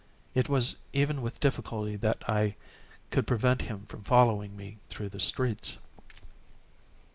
It was even with difficulty that I could prevent him from following me through the streets.